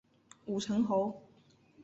武城侯。